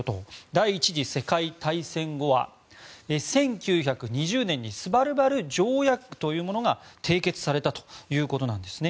第１次世界大戦後は１９２０年にスバルバル条約というものが締結されたということです。